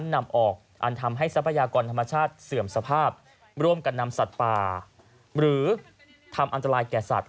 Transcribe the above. นำออกอันทำให้ทรัพยากรธรรมชาติเสื่อมสภาพร่วมกันนำสัตว์ป่าหรือทำอันตรายแก่สัตว